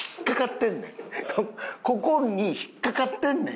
ここに引っかかってんねん。